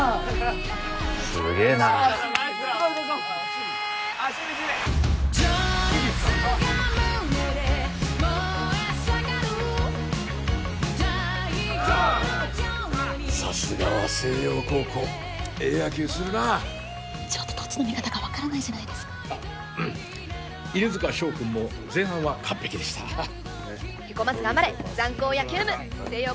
すげえなさすがは星葉高校ええ野球するなちょっとどっちの味方か分からないじゃないですか犬塚翔くんも前半は完璧でしたヘコまず頑張れザン高野球部星葉